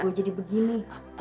gua jadi begini